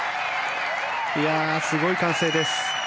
すごい歓声です。